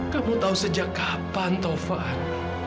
kamu tahu sejak kapan taufan